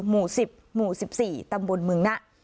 หมู่๑๐หมู่๑๔ตำบลเมืองนะ